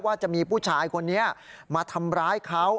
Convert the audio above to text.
ว่าจะมีผู้ชายคนนี้มาทำร้ายเขา